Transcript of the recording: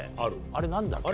あれ何だっけ？